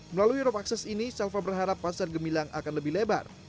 melalui rope acces ini shalfa berharap pasar gemilang akan lebih lebar